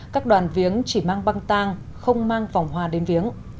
các đoàn viếng chỉ mang băng tang không mang vòng hoa đến viếng